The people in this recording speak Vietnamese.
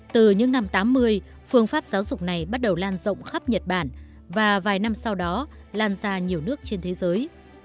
từ những năm một nghìn chín trăm tám mươi phương pháp giáo dục này bắt đầu lan rộng khắp nhật bản và vài năm sau đó lan ra nhiều nước trên thế giới